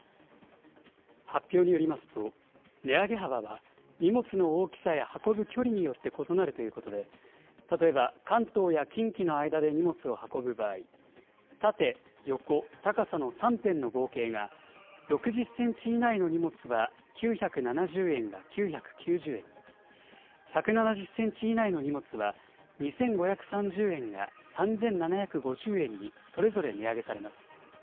発表によりますと、値上げ幅は、荷物の大きさや運ぶ距離によって異なるということで、例えば関東や近畿の間で荷物を運ぶ場合、縦・横・高さの３辺の合計が、６０センチ以内の荷物は９７０円が９９０円に、１７０センチ以内の荷物は２５３０円が３７５０円に、それぞれ値上げされます。